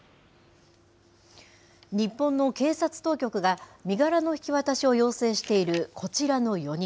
日本の警察当局が、身柄の引き渡しを要請しているこちらの４人。